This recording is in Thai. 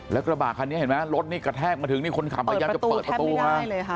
แล้วกระบาดครันนี้เห็นไหมรถนี้กระแทบมาถึงนี่คนขำพยายามเจิ้ลประตูค่ะ